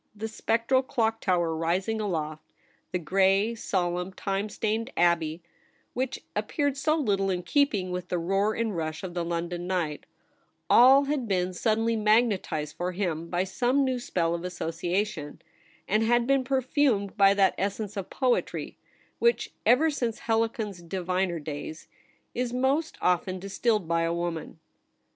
the spectral Clock Tower rising aloft, the gray, solemn, time stained Abbey, which ap peared so little in keeping with the roar and rush of the London night — all had been suddenly magnetized for him by some new spell of association, and had been perfumed by that essence of poetry, which, ever since Helicon's diviner days, is most often distilled by a woman.